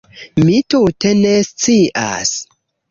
Mi tute ne scias.